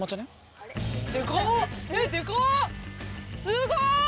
すごい！